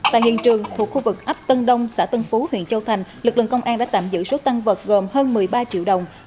tại hiện trường thuộc khu vực ấp tân đông xã tân phú huyện châu thành lực lượng công an đã tạm giữ số tăng vật gồm hơn một mươi ba triệu đồng